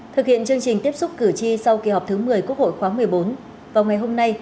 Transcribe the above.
thực hiện chương trình tiếp xúc cử tri sau kỳ họp thứ một mươi quốc hội khóa một mươi bốn vào ngày hôm nay